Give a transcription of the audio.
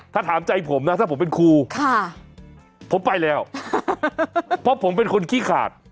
ถ้าถามใจผมนะถ้าผมเป็นครูผมไปแล้วเพราะผมเป็นคนขี้ขาด